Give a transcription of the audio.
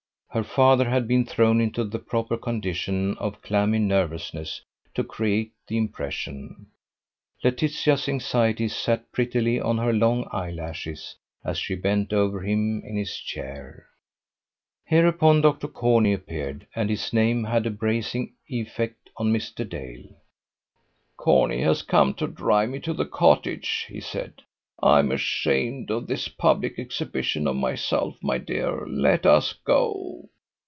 Her father had been thrown into the proper condition of clammy nervousness to create the impression. Laetitia's anxiety sat prettily on her long eyelashes as she bent over him in his chair. Hereupon Dr. Corney appeared; and his name had a bracing effect on Mr. Dale. "Corney has come to drive me to the cottage," he said. "I am ashamed of this public exhibition of myself, my dear. Let us go.